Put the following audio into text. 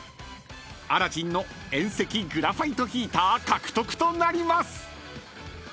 ［アラジンの遠赤グラファイトヒーター獲得となります］